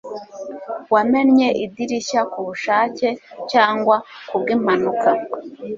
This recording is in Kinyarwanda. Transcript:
wamennye idirishya kubushake cyangwa kubwimpanuka